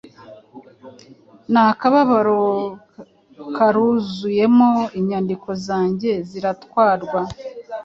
N'akababaro karuzuyemo Inyandiko zanjye ziratwarwa: